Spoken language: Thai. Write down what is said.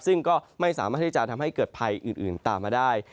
ซึ่งก็ไม่สามารถที่จะทำให้เกิดภัยอื่นตามมาได้